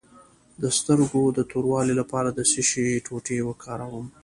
د سترګو د توروالي لپاره د څه شي ټوټې وکاروم؟